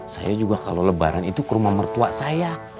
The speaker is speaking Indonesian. saya juga kalau lebaran itu ke rumah mertua saya